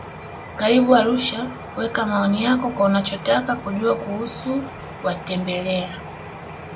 Karibu Arusha weka maoni yako kwa unachotaka kujua kuusu kuwatembelea